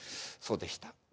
そうでした。